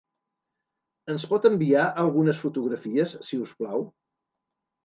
Ens pot enviar algunes fotografies, si us plau?